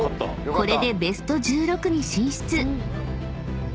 ［これでベスト１６に進出］